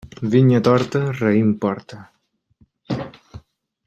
Vinya torta, raïm porta.